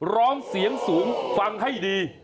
ร้องเสียงสูงฟังให้ดี